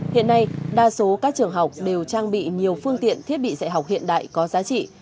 hiện nay đa số các trường học đều trang bị nhiều phương tiện thiết bị dạy học hiện đại có giá trị